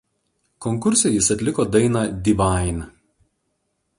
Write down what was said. Konkurse jis atliko dainą „Divine“.